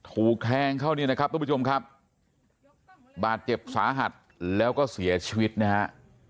ถูกแทงเข้าเนี่ยนะครับทุกผู้ชมครับบาดเจ็บสาหัสแล้วก็เสียชีวิตนะฮะ